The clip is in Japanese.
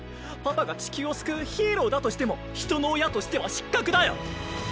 パパが地球を救うヒーローだとしても人の親としては失格だよ！